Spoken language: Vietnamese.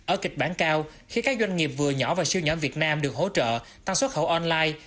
ở kịch bản cao khi các doanh nghiệp vừa nhỏ và siêu nhỏ việt nam được hỗ trợ tăng xuất khẩu online